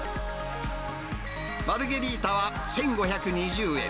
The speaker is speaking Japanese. マルゲリータは１５２０円。